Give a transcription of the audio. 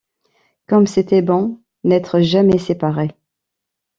Comme c’était bon, n’être jamais séparés!